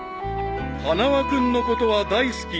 ［花輪君のことは大好き］